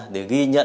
để ghi nhận tài sản